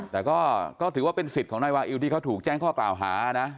แต่ก็ถือว่าเป็นสิทธิ์ของนายวาอิวที่เขาถูกแจ้งข้อกล่าวหานะ